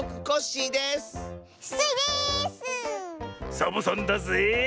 サボさんだぜえ！